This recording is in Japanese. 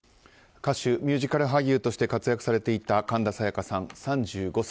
歌手、ミュージカル俳優として活躍されていた神田沙也加さん、３５歳。